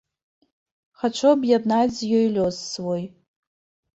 Хачу аб'яднаць з ёй лёс свой.